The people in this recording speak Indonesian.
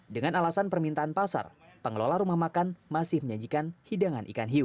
dengan alasan permintaan pasar pengelola rumah makan masih menyajikan hidangan ikan hiu